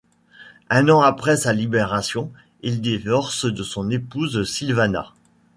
Un an après sa libération, il divorce de son épouse Sylvana.